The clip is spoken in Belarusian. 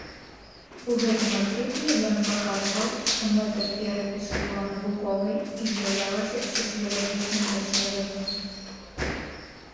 У гэтым артыкуле ён паказваў, што мэта перапісу была навуковай, і з'яўлялася сацыялагічным даследаваннем.